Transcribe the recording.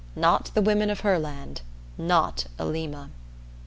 Not the women of Herland! Not Alima!